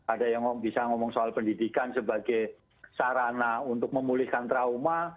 ada yang bisa ngomong soal pendidikan sebagai sarana untuk memulihkan trauma